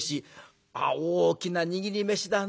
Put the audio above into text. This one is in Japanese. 「あっ大きな握り飯だね。